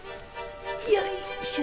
よいしょ。